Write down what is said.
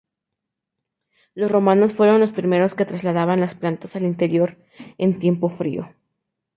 Los romanos fueron los primeros que trasladaban las plantas al interior en tiempo frío.